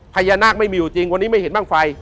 พญานาคไม่มีอยู่จริงวันนี้ไม่เห็นบ้างไฟ